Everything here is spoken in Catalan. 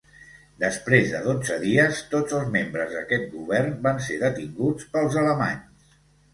Després de dotze dies, tots els membres d'aquest govern van ser detinguts pels alemanys.